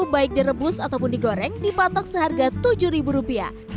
baik direbus ataupun digoreng dipatok seharga tujuh rupiah